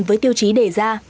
với tiêu chí đề ra